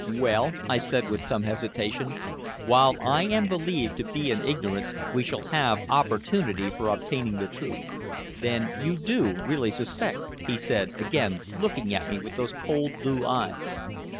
"Well," I said with some hesitation, "while I am believed to be in ignorance we shall have opportunity for obtaining the truth." "Then you do really suspect?" he said, again looking at me with those cold, blue eyes.